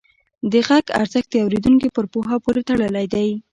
د غږ ارزښت د اورېدونکي پر پوهه پورې تړلی دی.